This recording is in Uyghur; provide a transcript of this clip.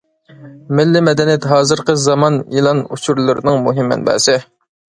مىللىي مەدەنىيەت ھازىرقى زامان ئېلان ئۇچۇرلىرىنىڭ مۇھىم مەنبەسى.